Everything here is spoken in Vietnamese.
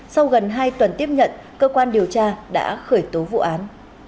sau gần hai tuần tiếp nhận cơ quan điều tra đã khởi tố vụ án